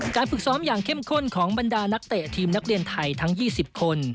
ฝึกซ้อมอย่างเข้มข้นของบรรดานักเตะทีมนักเรียนไทยทั้ง๒๐คน